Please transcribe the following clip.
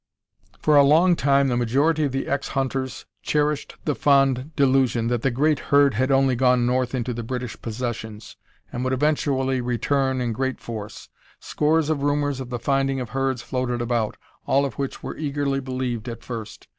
For a long time the majority of the ex hunters cherished the fond delusion that the great herd had only "gone north" into the British Possessions, and would eventually return in great force. Scores of rumors of the finding of herds floated about, all of which were eagerly believed at first.